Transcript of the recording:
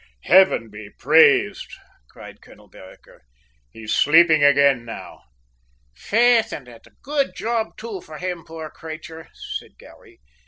"Heaven be praised!" cried Colonel Vereker. "He's sleeping again, now!" "Faith, an' a good job, too, for him, poor crayture," said Garry.